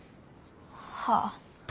はあ。